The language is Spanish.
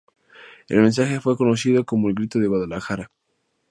El mensaje fue conocido como el "Grito de Guadalajara".